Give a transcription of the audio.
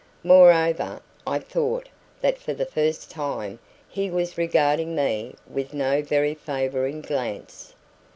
Moreover, I thought that for the first time he was regarding me with no very favoring glance.